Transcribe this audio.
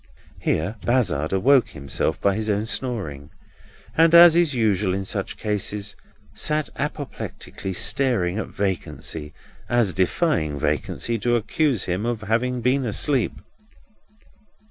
Here Bazzard awoke himself by his own snoring; and, as is usual in such cases, sat apoplectically staring at vacancy, as defying vacancy to accuse him of having been asleep.